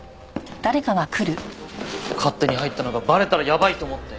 勝手に入ったのがバレたらやばいと思って。